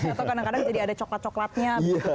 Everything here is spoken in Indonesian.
atau kadang kadang jadi ada coklat coklatnya